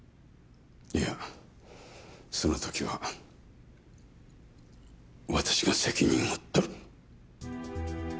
いやその時は私が責任を取る。